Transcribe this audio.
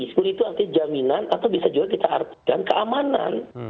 security itu artinya jaminan atau bisa juga kita artikan keamanan